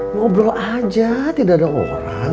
ngobrol aja tidak ada orang